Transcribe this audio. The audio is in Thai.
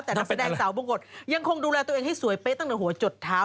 แต่นักแสดงสาวบงกฎยังคงดูแลตัวเองให้สวยเป๊ะตั้งแต่หัวจดเท้า